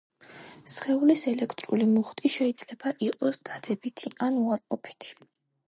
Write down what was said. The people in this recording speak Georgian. სხეულის ელექტრული მუხტი შეიძლება იყოს დადებითი ან უარყოფითი.